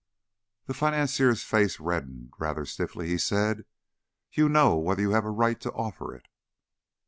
The financier's face reddened; rather stiffly he said, "You know whether you have a right to offer it."